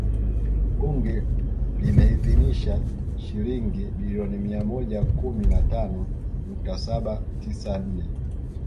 Bunge limeidhinisha Shilingi bilioni mia moja kumi na tano nukta saba tisa nne